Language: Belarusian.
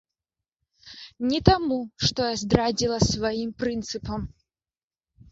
Не таму, што я здрадзіла сваім прынцыпам.